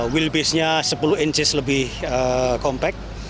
wheelbase nya sepuluh inches lebih kompak